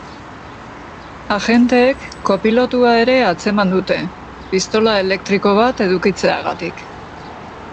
Agenteek kopilotua ere atzeman dute, pistola elektriko bat edukitzeagatik.